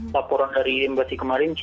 laporan dari embasi kemarin